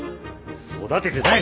育ててない！